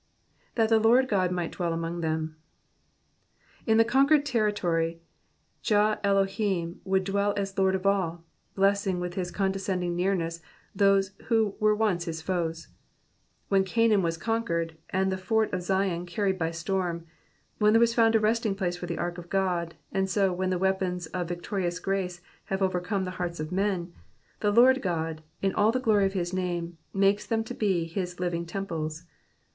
^^That the Lord Qod might dwell among them,'''' In the conquered territory, Jah Elohim would dwell as Lord of all, blessing with his condescending nearness those who were once his foes. When Canaan was conquered, and the fort of Zion carried by storm, then was there found a resting place for the ark of God ; and so when the weapons of victorious grace have overcome the hearts of men, the Lord God, in all the glory of his name, makes them to be his living temples.